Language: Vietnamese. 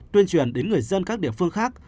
tuyên truyền đến người dân các địa phương khác